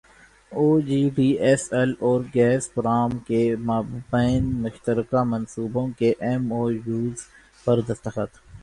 او G D C L اور Gazprom کے مابین مشترکہ منصوبوں کے ایم او یوز پر دستخط